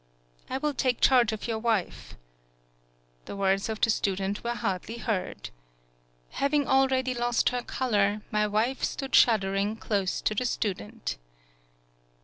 "I will take charge of your wife." The words of the student were Hardly heard. Having already lost her color, 157 PAULOWNIA my wife stood shuddering, close to the student.